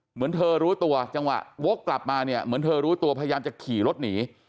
เหมือนเธอรู้ตัวจังหวะวกกลับมาเนี่ยเหมือนเธอรู้ตัวพยายามจะขี่รถหนี